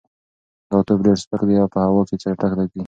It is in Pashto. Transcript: دا توپ ډېر سپک دی او په هوا کې چټک ځي.